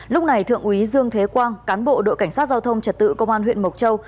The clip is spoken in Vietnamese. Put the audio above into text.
lúc này thượng úy dương thế quang cán bộ đội cảnh sát giao thông trật tự công an huyện mộc châu